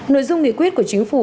nội dung nghị quyết của chính phủ